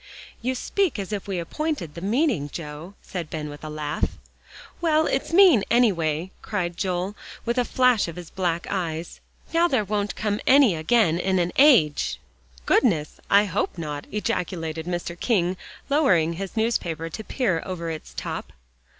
"You speak as if we appointed the meeting, Joe," said Ben with a laugh. "Well, it's mean, anyway," cried Joel, with a flash of his black eyes. "Now there won't any come again in an age." "Goodness, I hope not," ejaculated Mr. King, lowering his newspaper to peer over its top.